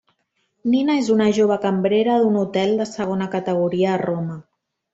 Nina és una jove cambrera d'un hotel de segona categoria a Roma.